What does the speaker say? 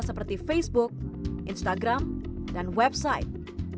seperti facebook instagram dan website